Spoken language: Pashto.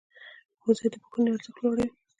ښوونځی د پوهنې ارزښت لوړوي.